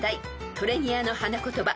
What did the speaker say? ［トレニアの花言葉